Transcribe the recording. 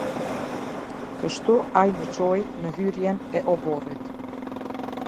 Kështu ai më çoi në hyrjen e oborrit.